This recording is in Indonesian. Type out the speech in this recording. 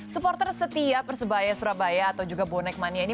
supporter setia persebaya surabaya atau juga bonek mania ini